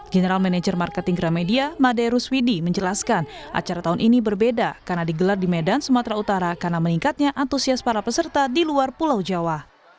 general manager marketing gramedia made ruswidi menjelaskan acara tahun ini berbeda karena digelar di medan sumatera utara karena meningkatnya antusias para peserta di luar pulau jawa